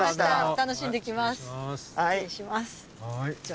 楽しんできます。